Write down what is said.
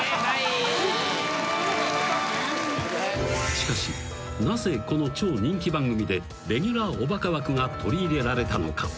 ［しかしなぜこの超人気番組でレギュラーおバカ枠が取り入れられたのか？］